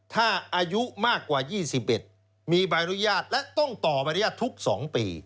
ถ้าอายุมากกว่า๒๑มีใบอนุญาตและต้องต่อใบอนุญาตทุก๒ปี